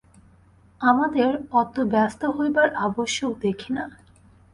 আমাদের অত ব্যস্ত হইবার আবশ্যক দেখি না!